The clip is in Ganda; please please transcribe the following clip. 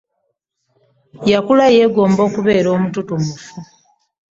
Yakula yegomba okubera omututumufu.